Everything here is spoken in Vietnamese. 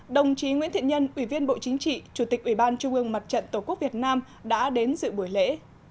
đồng chí nguyễn thiện nhân ủy viên bộ chính trị chủ tịch ủy ban trung ương mặt trận tổ quốc việt nam đã đến dự buổi lễ